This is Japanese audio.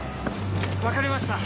分かりました。